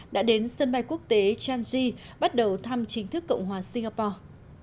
đã đến sân bay quốc tế changji bắt đầu thăm chính thức cộng hòa singapore